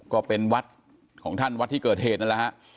ก็เป็นวัดของท่านวัดที่เกิดเหตุนั่นแหละฮะ